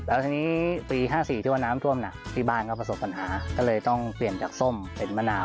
แล้วทีนี้ปี๕๔ที่ว่าน้ำท่วมหนักที่บ้านก็ประสบปัญหาก็เลยต้องเปลี่ยนจากส้มเป็นมะนาว